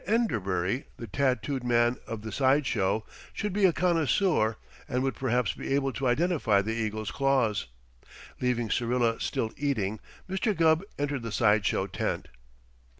Enderbury, the tattooed man of the side show, should be a connoisseur and would perhaps be able to identify the eagle's claws. Leaving Syrilla still eating, Mr. Gubb entered the side show tent.